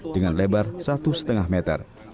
dengan kemiringan gua sekitar satu lima meter